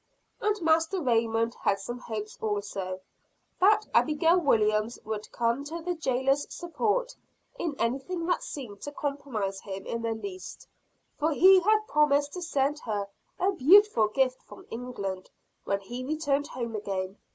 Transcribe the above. And Master Raymond had some hopes also, that Abigail Williams would come to the jailer's support in anything that seemed to compromise him in the least; for he had promised to send her a beautiful gift from England, when he returned home again.